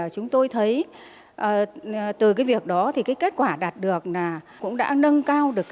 chúng tôi thấy từ việc đó kết quả đạt được cũng đã nâng cao được